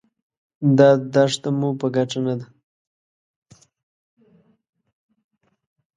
دا دښته مو په ګټه نه ده.